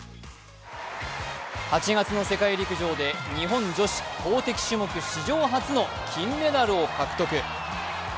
８月の世界陸上で日本女子投てき種目史上初の金メダルを獲得。